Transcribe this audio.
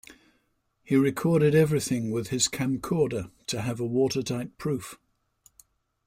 He recorded everything with his camcorder to have a watertight proof.